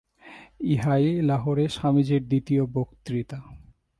ইহাই লাহোরে স্বামীজীর দ্বিতীয় বক্তৃতা।